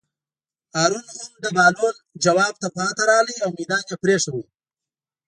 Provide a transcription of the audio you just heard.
هارون هم د بهلول ځواب ته پاتې راغی او مېدان یې پرېښود.